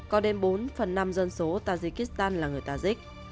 có đến bốn phần năm dân số tajikistan là người tajik